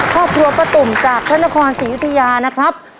ครอบครัวประกุมจากธนครศรีวิทยานะครับ